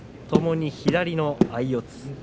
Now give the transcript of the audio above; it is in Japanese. ともに左の相四つ。